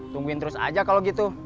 tungguin terus aja kalau gitu